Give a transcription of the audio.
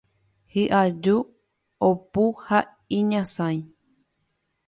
Hi'aju, opu ha iñasãi.